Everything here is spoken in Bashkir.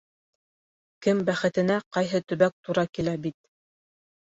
Кем бәхетенә ҡайһы төбәк тура килә бит.